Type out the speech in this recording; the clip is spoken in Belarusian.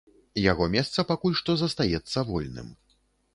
Яго месца пакуль што застаецца вольным.